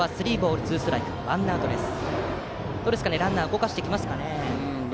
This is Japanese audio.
ランナーを動かしますかね。